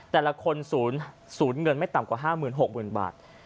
แต่ละคนสูญสูญเงินไม่ต่ำกว่าห้าหมื่นหกหมื่นบาท